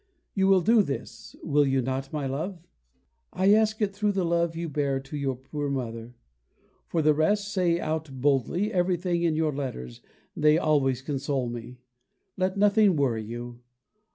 You will do this, will you not, my love? Ah, do! I ask it through the love you bear to your poor mother. For the rest, say out boldly everything in your letters; they always console me. Let nothing worry you.